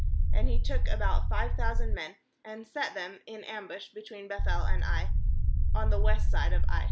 12And he took about five thousand men, and set them in am bush between Beth el and Ai, on the west side of Ai.